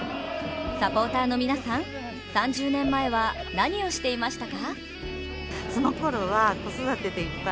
サポータの皆さん、３０年前は何をしていましたか？